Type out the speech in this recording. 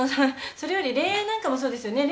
それより恋愛なんかもそうですよね？